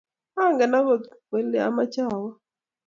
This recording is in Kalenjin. angen agot wele amoche awook